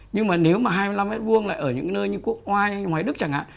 nhưng mà nếu mà hai mươi năm m hai lại ở những nơi như quốc oai hay hoài đức chẳng hạn